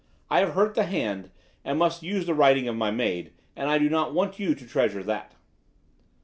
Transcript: I have hurt the hand, and must use the writing of my maid; and I do not want you to treasure that.